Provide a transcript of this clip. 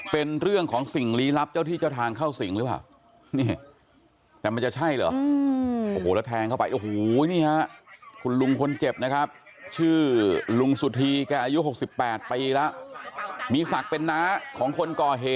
เป็นเรื่องของสิ่งลี้ลับเจ้าที่เจ้าทางเข้าสิงหรือเปล่า